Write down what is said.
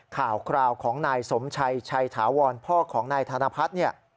ข่าวคราวของนายสมชัยชัยถาวรพ่อของนายธนพัฒน์เนี่ย